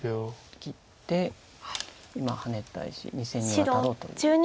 切って今ハネた石２線にワタろうという。